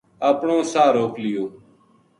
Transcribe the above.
اپنو ساہ روک لیو